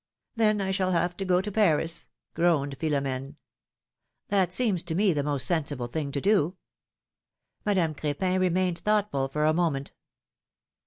^^ ^'Then I shall have to go to Paris groaned Philom^rie. " That seems to me the most sensible thing to do.^^ Madame Crepin remained thoughtful for a moment.